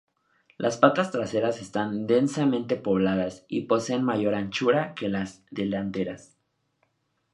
Las patas traseras están densamente pobladas y poseen mayor anchura que las delanteras.